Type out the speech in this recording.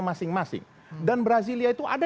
masing masing dan brazilia itu ada